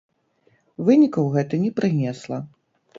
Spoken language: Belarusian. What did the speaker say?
Вынікаў гэта не прынесла.